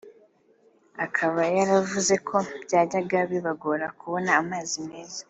akaba yaravuze ko byajyaga bibagora kubona amazi meza